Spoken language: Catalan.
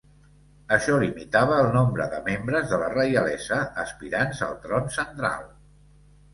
Això limitava el nombre de membres de la reialesa aspirants al tron central.